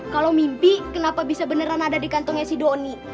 kalau mimpi kenapa bisa beneran ada di kantongnya si doni